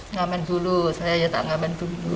ngamen dulu saya ya tak ngamen dulu